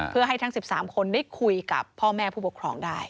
เพื่อให้ทั้ง๑๓คนได้คุยกับพ่อแม่ผู้ปกครองได้